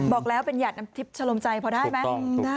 บอกแล้วเป็นหัดน้ำทิพย์ชะลมใจพอได้ไหม